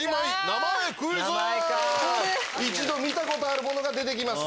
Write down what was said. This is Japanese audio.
一度見たことあるものが出て来ます。